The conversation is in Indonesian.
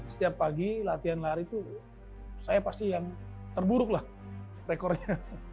setiap pagi latihan lari itu saya pasti yang terburuk lah rekornya